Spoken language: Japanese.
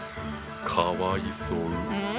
かわいそう。